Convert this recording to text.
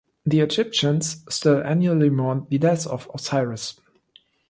The Egyptians still annually mourned the death of Osiris.